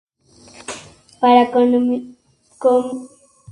My economy com.